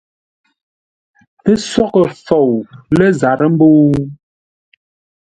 Pə́ sóghʼə fou lə́ zarə́ mbə̂u ?